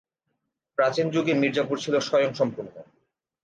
প্রাচীন যুগে মির্জাপুর ছিল স্বয়ংসম্পূর্ণ।